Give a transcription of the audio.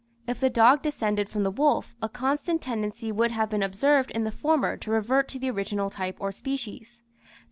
If the dog descended from the wolf, a constant tendency would have been observed in the former to revert to the original type or species.